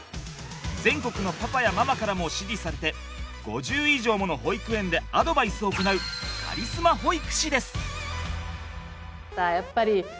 全国のパパやママからも支持されて５０以上もの保育園でアドバイスを行うカリスマ保育士です。